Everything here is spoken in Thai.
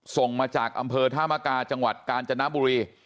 ส่งมาจากอำเภอธามกาจังหวัดกาญจนบุรี